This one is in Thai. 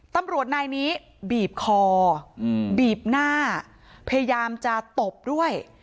ตำรวจนายนี้บีบคอบีบหน้าพยายามจะตบด้วย